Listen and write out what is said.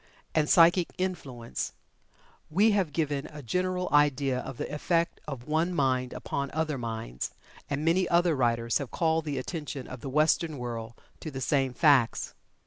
and "Psychic Influence," we have given a general idea of the effect of one mind upon other minds, and many other writers have called the attention of the Western world to the same facts.